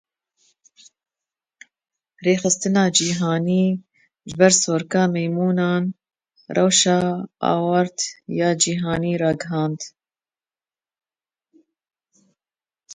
Rêxistina cîhanî ji ber Sorika Meymûnan rewşa awarte ya cîhanî ragihand.